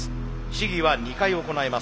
試技は２回行えます。